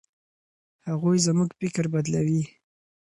هغوی زموږ فکر بدلوي.